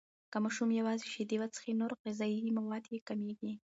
که ماشوم یوازې شیدې وڅښي، نور غذایي مواد یې کمیږي.